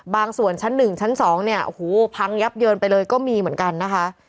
ส่วนชั้น๑ชั้น๒เนี่ยโอ้โหพังยับเยินไปเลยก็มีเหมือนกันนะคะ